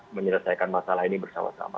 menyelesaikan masalah ini bersama sama